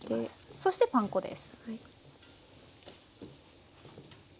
そしてパン粉です。